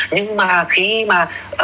nhưng mà khi mà